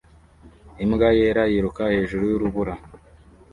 Imbwa yera yiruka hejuru yurubura